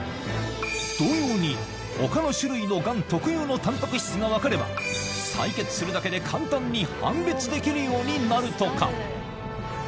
同様に、ほかの種類のがん特有のたんぱく質が分かれば、採血するだけで簡単に判別できるようになるとか。